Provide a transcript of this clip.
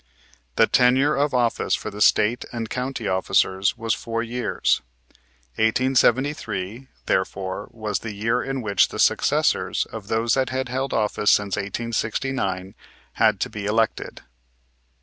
The tenure of office for the State and county officers was four years. 1873, therefore, was the year in which the successors of those that had held office since 1869 had to be elected.